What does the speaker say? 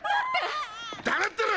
黙ってろ！